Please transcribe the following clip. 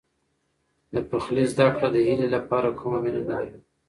د پخلي زده کړه د هیلې لپاره کومه مینه نه درلوده.